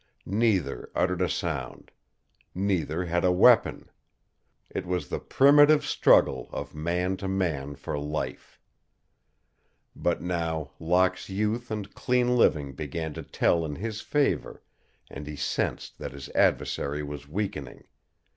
Neither uttered a sound. Neither had a weapon. It was the primitive struggle of man to man for life. But now Locke's youth and clean living began to tell in his favor and he sensed that his adversary was weakening.